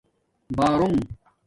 بݳرݸنگ